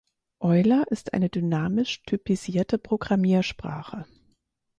Euler ist eine dynamisch typisierte Programmiersprache.